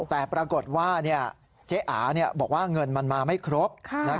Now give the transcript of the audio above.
แต่ปรากฏว่าเจ๊อาบอกว่าเงินมันมาไม่ครบ